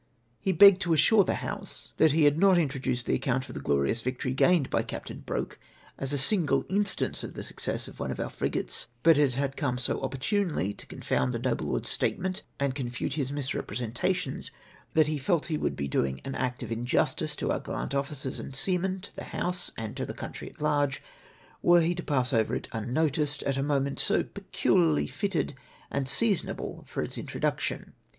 He begjo ed leave to assure the House, that he had OF HIS OAVN INVENTIOX. 305 not introduced the account of the glorious victory gained by Captain Broke as a single instance of the success of one of our frigates ; but it had come so opportunely to con found the noble lord's statement and confute his misrepre sentations, that he felt he would be doing an act of injustice to our gallant officers and seamen, to the House, and to the country at large were he to pass it over unnoticed, at a moment so peculiarly fitted and seasonable for its introduc tion.